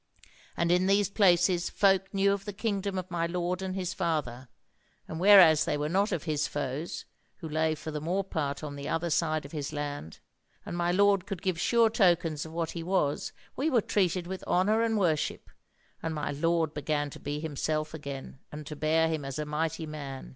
And in these places folk knew of the kingdom of my lord and his father, and whereas they were not of his foes (who lay for the more part on the other side of his land), and my lord could give sure tokens of what he was, we were treated with honour and worship, and my lord began to be himself again, and to bear him as a mighty man.